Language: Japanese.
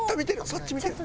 そっち見てる！